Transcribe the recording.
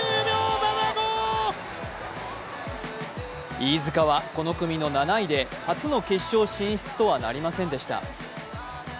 飯塚はこの組の７位で、初の決勝進出とはなりませんでした。